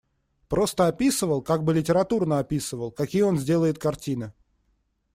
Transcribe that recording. Просто описывал, как бы литературно описывал, какие он сделает картины.